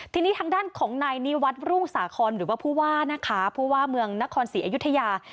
ทีนี้ทางด้านของนายนิวัตรรุ่งสาคอนหรือว่าผู้ว่านะคะผู้ว่าเมืองนครศรีอยุธยา